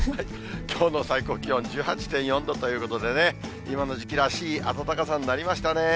きょうの最高気温１８．４度ということでね、今の時期らしい暖かさになりましたね。